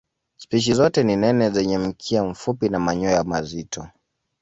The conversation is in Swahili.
Spishi zote ni nene zenye mkia mfupi na manyoya mazito.